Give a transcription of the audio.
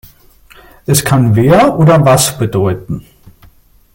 Es kann „wer“ oder „was“ bedeuten.